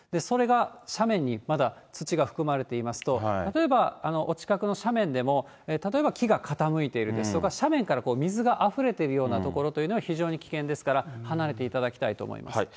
それが斜面にまだ土が含まれていますと、例えば、お近くの斜面でも、例えば、木が傾いているですとか、斜面から水があふれているような所というのは、非常に危険ですから、離れていただきたいと思います。